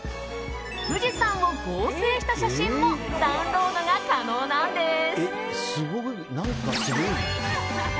富士山を合成した写真もダウンロードが可能なんです。